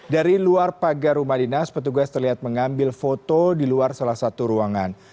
dari luar pagar rumah dinas petugas terlihat mengambil foto di luar salah satu ruangan